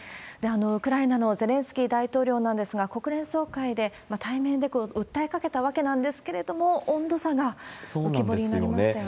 ウクライナのゼレンスキー大統領なんですが、国連総会で対面で訴えかけたわけなんですけれども、温度差が浮き彫りになりましたよね。